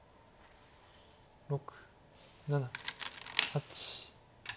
６７８。